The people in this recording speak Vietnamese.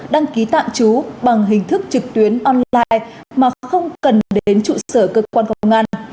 đăng ký tạm trú bằng hình thức trực tuyến online mà không cần đến trụ sở cơ quan công an